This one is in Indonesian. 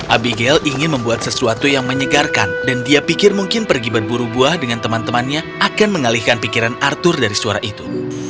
abigail ingin membuat sesuatu yang menyegarkan dan dia pikir mungkin pergi berburu buah dengan teman temannya akan mengalihkan pikiran arthur dari suara itu